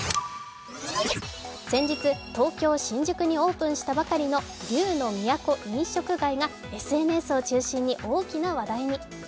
先日、東京・新宿にオープンしたばかりの龍乃都飲食街がＳＮＳを中心に大きな話題に。